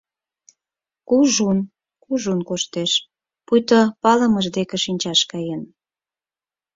Кужун-кужун коштеш, пуйто палымыж деке шинчаш каен.